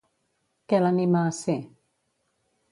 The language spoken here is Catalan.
Què l'anima a ser?